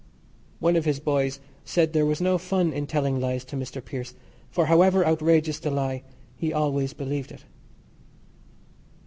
One of his boys said there was no fun in telling lies to Mr. Pearse, for, however outrageous the lie, he always believed it.